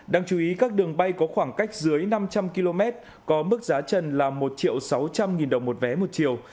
đáng chú ý các đường bay có khoảng cách dưới năm trăm linh km có mức giá trần là một sáu trăm linh đồng một vé một chiều